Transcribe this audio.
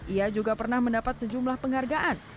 ia juga pernah mendapat sejumlah penghargaan